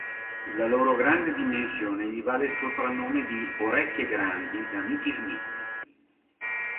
La loro grande dimensione gli vale il soprannome di "Orecchie Grandi" da Mickey Smith.